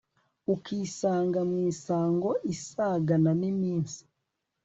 ukisanga mu isango isagana n'iminsi